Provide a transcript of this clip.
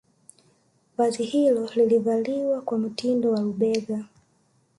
Vazi hilo lilivaliwa kwa mtindo wa lubega